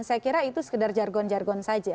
saya kira itu sekedar jargon jargon saja